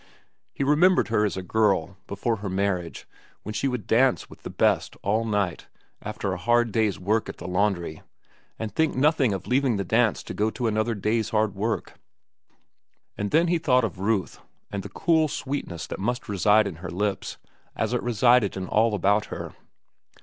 He remembered her as a girl, before her marriage, when she would dance with the best, all night, after a hard day's work at the laundry, and think nothing of leaving the dance to go to another day's hard work. And then he thought of Ruth and the cool sweetness that must reside in her lips as it resided in all about her.